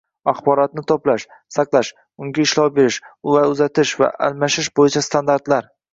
axborotni to‘plash, saqlash, unga ishlov berish, uni uzatish va almashish bo‘yicha standartlar